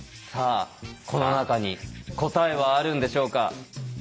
さあこの中に答えはあるんでしょうか？